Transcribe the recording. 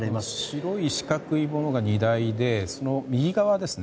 白い四角いものが荷台でその右側ですね